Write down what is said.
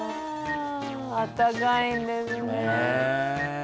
暖かいんですね。